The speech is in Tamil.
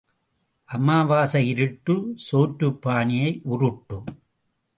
அமாவாசை இருட்டு சோற்றுப் பானையை உருட்டு.